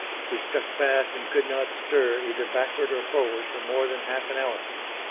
He stuck fast and could not stir either backward or forward for more than half an hour.